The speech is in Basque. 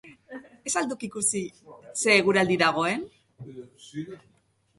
Ez al duk ikusi ze eguraldi dagoen?